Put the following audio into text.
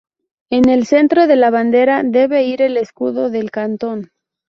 En el centro de la bandera debe ir el escudo del cantón.